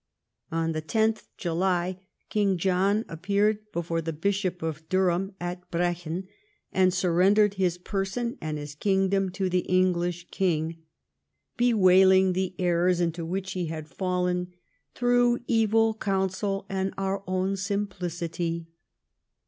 On 10th July King John appeared before the bishop of Durham at Brechin and surrendered his person and his kingdom to the English king, bewailing the errors into which he had fallen " through e\T:l counsel and our own simplicity."